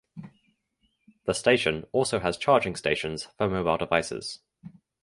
The station also has charging stations for mobile devices.